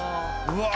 うわ。